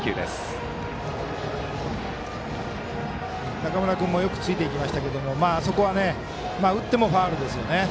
中村君もよくついていきましたがそこは打ってもファウルですよね。